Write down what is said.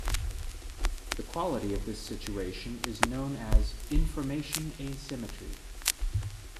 The quality of this situation is known as 'information asymmetry'.